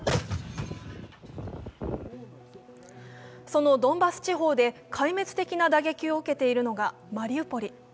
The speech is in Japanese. そのドンバス地方で壊滅的な打撃を受けているのがマリウポリ。